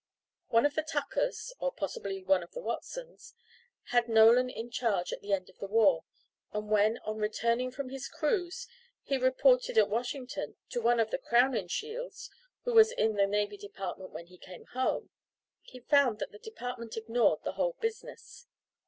One of the Tuckers, or possibly one of the Watsons, had Nolan in charge at the end of the war; and when, on returning from his cruise, he reported at Washington to one of the Crowninshields who was in the Navy Department when he came home he found that the Department ignored the whole business.